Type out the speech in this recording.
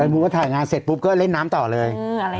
แล้วสมมุติว่าถ่ายงานเสร็จปุ๊บก็เล่นน้ำต่อเลย